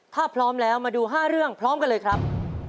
ถ้าพร้อมแล้วมาดู๕เรื่องพร้อมกันเลยครับ